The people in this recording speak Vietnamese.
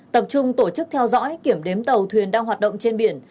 tập trung tổ chức theo dõi kiểm đếm tàu thuyền đang hoạt động trên biển